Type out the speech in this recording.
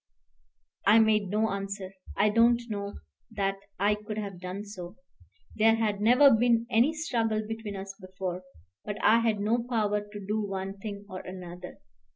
I made no answer. I don't know that I could have done so. There had never been any struggle between us before; but I had no power to do one thing or another.